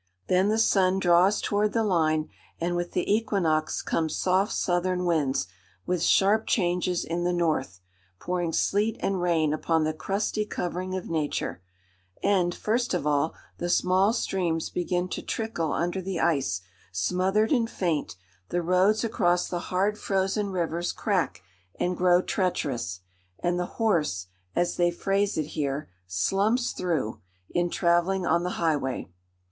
Then the sun draws towards the line, and with the equinox come soft southern winds, with sharp changes to the north, pouring sleet and rain upon the crusty covering of nature; and, first of all, the small streams begin to trickle under the ice, smothered and faint; the roads across the hard frozen rivers crack and grow treacherous; and the horse, as they phrase it here, slumps through in travelling on the highway.